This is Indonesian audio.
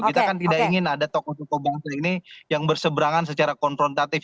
kita kan tidak ingin ada tokoh tokoh bangsa ini yang berseberangan secara konfrontatif